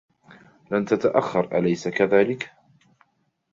لن تتأخر ، أليس كذلك ؟